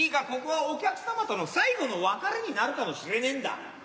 ここはお客様との最後の別れになるかもしれねぇんだ。